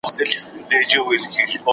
ابن المنذر رحمه الله اجماع را نقل کړې ده.